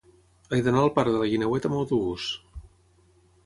He d'anar al parc de la Guineueta amb autobús.